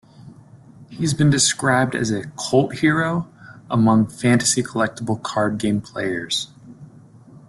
He has been described as a "cult hero" among fantasy collectible card game players.